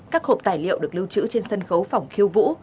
các hộp tài liệu được lưu trữ trên sân khấu phỏng khiêu vũ